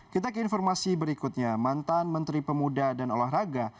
kita ke informasi berikutnya mantan menteri pemuda dan olahraga